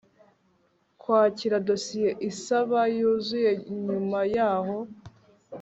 kwakira dosiye isaba yuzuye Nyuma yaho